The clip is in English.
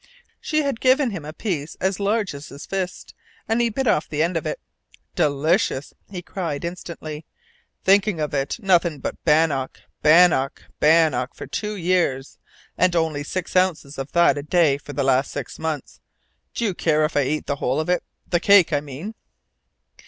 She had given him a piece as large as his fist, and he bit off the end of it. "Delicious!" he cried instantly. "Think of it nothing but bannock, bannock, bannock for two years, and only six ounces of that a day for the last six months! Do you care if I eat the whole of it the cake, I mean?"